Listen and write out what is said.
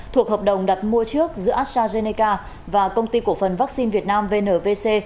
thuộc hợp đồng đặt mua trước giữa astrazeneca và công ty cổ phần vaccine việt nam vnvc